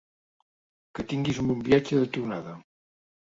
Que tinguis un bon viatge de tornada.